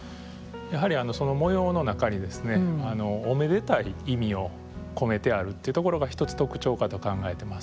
やはりその模様の中におめでたい意味を込めてあるっていうところが一つ特徴かと考えてます。